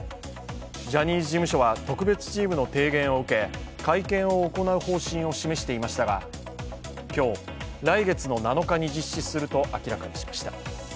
ジャニーズ事務所は特別チームの提言を受け会見を行う方針を示していましたが今日、来月７日に実施すると明らかにしました。